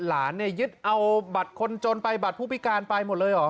หลานเนี่ยยึดเอาบัตรคนจนไปบัตรผู้พิการไปหมดเลยเหรอ